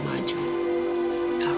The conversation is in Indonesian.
sampai jumpa lagi